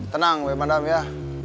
tenang ya madam ya